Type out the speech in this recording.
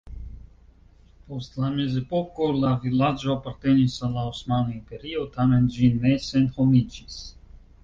Post la mezepoko la vilaĝo apartenis al la Osmana Imperio, tamen ĝi ne senhomiĝis.